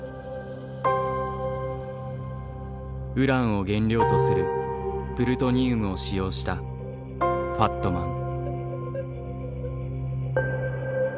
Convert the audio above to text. ウランを原料とするプルトニウムを使用したファットマン。